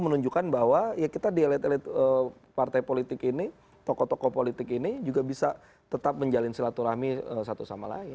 menunjukkan bahwa ya kita di elit elit partai politik ini tokoh tokoh politik ini juga bisa tetap menjalin silaturahmi satu sama lain